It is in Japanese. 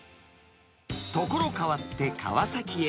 所変わって川崎へ。